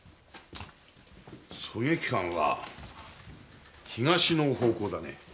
狙撃犯は東の方向だね。